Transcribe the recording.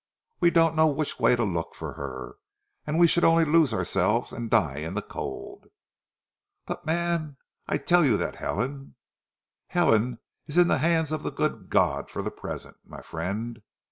We don't know which way to look for her, and we should only lose ourselves and die in the cold." "But, man, I tell you that Helen " "Helen is in the hands of the good God for the present, my friend.